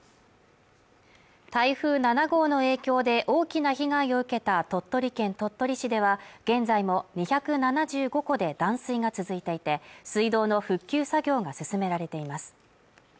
台風７号の影響で大きな被害を受けた鳥取県鳥取市では現在も２７５戸で断水が続いていて水道の復旧作業が進められています